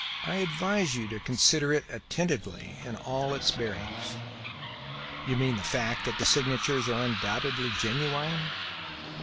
I advise you to consider it attentively in all its bearings." "You mean the fact that these signatures are undoubtedly genuine?"